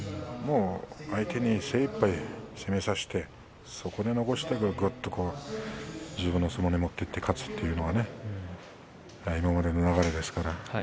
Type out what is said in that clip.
もう相手に精いっぱい攻めさせてそこで残してぐっと自分の相撲に持っていって勝つという今までの流れですからね。